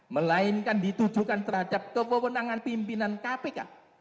melainkan ditujukan terhadap kepemimpinan kpk